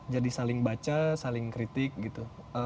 jadi saling baca saling kritik gitu